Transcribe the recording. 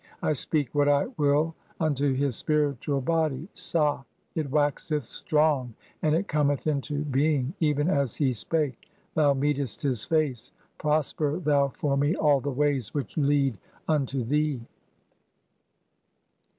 I speak what I will unto his "spiritual body (sab.) ; (8) it waxeth strong and it cometh into "being, even as he spake. Thou meetest his face. Prosper thou "for me all the ways [which lead] unto thee."